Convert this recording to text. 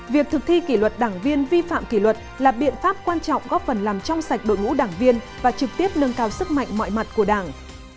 việc thực thi kỷ luật đảng viên vi phạm kỷ luật là biện pháp quan trọng góp phần làm trong sạch đội ngũ đảng viên và trực tiếp nâng cao sức mạnh mọi mặt của đảng